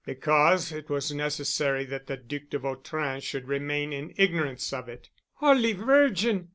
"Because it was necessary that the Duc de Vautrin should remain in ignorance of it." "Holy Virgin!